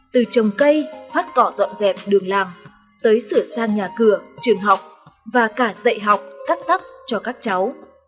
từ trồng cây phát cỏ dọn dẹp đường làng tới sửa sang nhà cửa trường học và cả dạy học cắt tắp cho các cháu